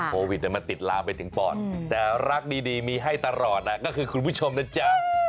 โควิดมันติดลามไปถึงปอดแต่รักดีมีให้ตลอดก็คือคุณผู้ชมนะจ๊ะ